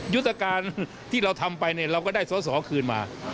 จุฏภตรายที่เราทำไปก็ได้สอสอคืนมา